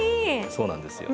そうなんですよ。